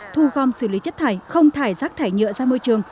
thu gom xử lý chất thải không thải rác thải nhựa ra môi trường